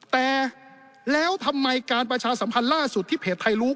แต่แล้วทำไมการประชาสัมพันธ์ล่าสุดที่เพจไทยรู้